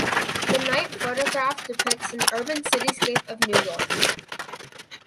The night photograph depicts an urban cityscape of New York.